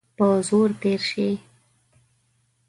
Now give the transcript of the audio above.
په زور تېر سي.